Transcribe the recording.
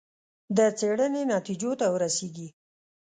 د څېړنې نتیجو ته ورسېږي.